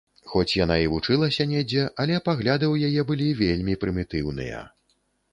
Хоць яна і вучылася недзе, але пагляды ў яе былі вельмі прымітыўныя.